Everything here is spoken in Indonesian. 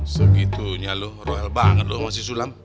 segitunya lo rohel banget lo sama si sulam